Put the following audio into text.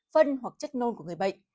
phân hoặc chất nôn của người bệnh